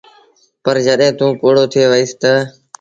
پر جڏهيݩٚ توٚنٚ پوڙهو ٿئي وهيٚس تا